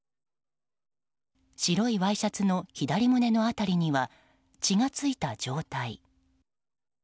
白いワイシャツの左胸の辺りには血が付いた状態。